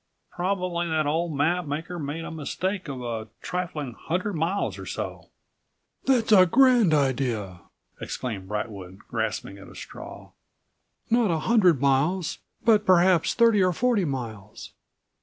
Probably that old map maker made a mistake of a trifling hundred miles or so." "That's a grand idea!" exclaimed Brightwood, grasping at a straw. "Not a hundred miles but perhaps thirty or forty miles.